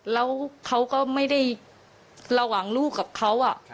แล้วเขาก็ไม่ได้ระหว่างลูกกับเขา